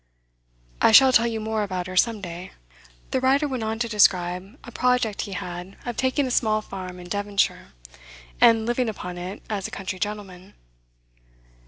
I shall tell you more about her some day.' The writer went on to describe a project he had of taking a small farm in Devonshire, and living upon it as a country gentleman.